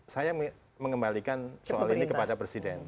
saya mengembalikan soal ini kepada presiden